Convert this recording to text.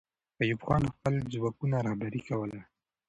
ایوب خان خپل ځواکونه رهبري کوله.